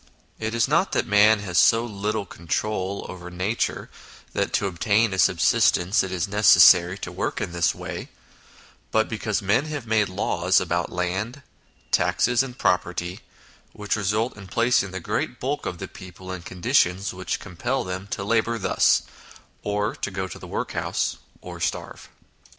It is not that man has so little control over nature that to obtain a subsistence it is necessary to work in this way, but because men have made laws about land, taxes, and pro perty, which result in placing the great bulk of the people in conditions which compel them to labour thus, or go to the workhouse, or starve.